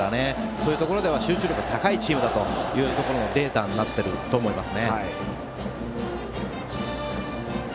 そういうところでは集中力が高いチームだというデータだと思います。